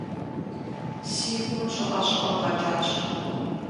Си гум щӀыӀэ-щӀыӀэу къэкӀащ.